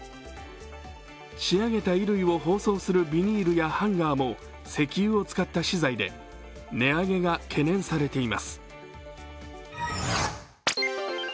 仕上げた衣類を包装するビニールやハンガーも石油を使った資材で、値上げが懸念されています。